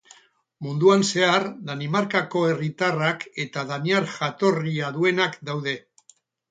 Munduan zehar Danimarkako herritarrak eta daniar jatorria duenak daude.